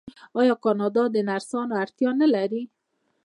آیا کاناډا د نرسانو اړتیا نلري؟